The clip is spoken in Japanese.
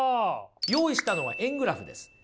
用意したのは円グラフです。